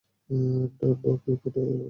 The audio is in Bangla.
ডকে রিপোর্ট করো।